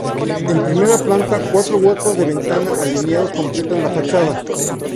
En primera planta, cuatro huecos de ventana alineados completan la fachada.